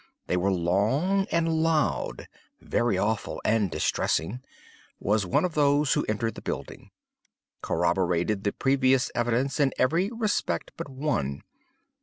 They were long and loud—very awful and distressing. Was one of those who entered the building. Corroborated the previous evidence in every respect but one.